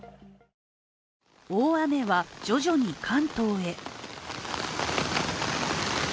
大雨は徐々に関東へ。